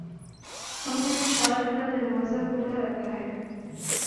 ہم نے اشعار کا دروازہ کھُلا رکھا ہے